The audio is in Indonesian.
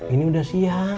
ini udah siang